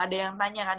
ada yang tanya kan